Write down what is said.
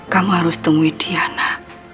kamu harus temui diana